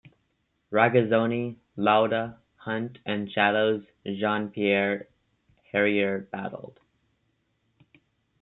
Regazzoni, Lauda, Hunt and Shadow's Jean-Pierre Jarier battled.